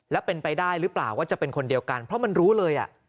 แล้วเป็นไปได้หรือเปล่าว่าจะเป็นคนเดียวกันเพราะมันรู้เลย